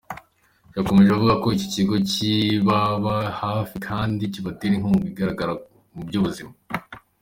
Yakomeje avuga ko iki Kigo cyibaba hafi kandi kibatera inkunga igaragara mu by’ubuzima.